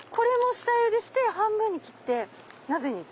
下ゆでして半分に切って鍋に。